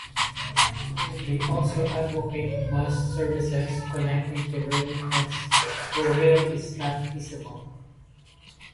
They also advocate bus services connecting to railheads where rail is not feasible.